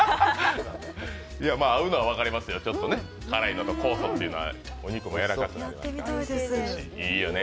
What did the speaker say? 合うのは分かりますよ、ちょっと辛いのと酵素はお肉もやわらかくなりますしいいよね。